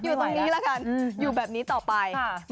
อยู่ตรงนี้ละกันอยู่แบบนี้ต่อไป